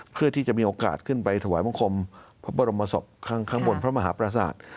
เพื่อที่จะมีโอกาสขึ้นไปถวายบังคมพระบรมศพข้างบนพระมหาปราศาสตร์